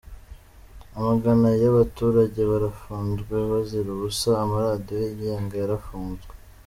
Amagana y’abaturage barafunzwe bazira ubusa, amaradiyo yigenga yarafunzwe.